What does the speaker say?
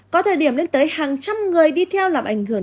có thời điểm lên tới hàng trăm người đi theo làm ảnh hưởng